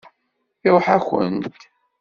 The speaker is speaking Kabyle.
Iṛuḥ-akent.